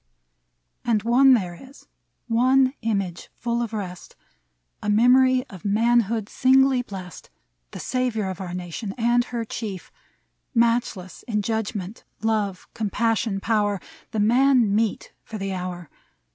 And one there is, one image, full of rest, A memory of manhood singly blest, The savior of our Nation and her Chief : Matchless in judgment, love, compassion, power — The Man meet for the hour.